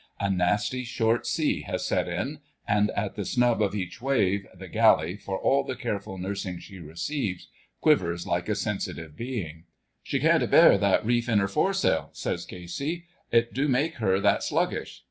A nasty short sea has set in, and at the snub of each wave, the galley, for all the careful nursing she receives, quivers like a sensitive being. "She can't abear that reef in her foresail," says Casey; "it do make her that sluggish."